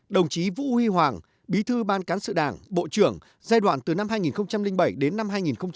đồng chí vũ huy hoàng bí thư ban cán sự đảng bộ trưởng giai đoạn từ năm hai nghìn bảy đến năm hai nghìn một mươi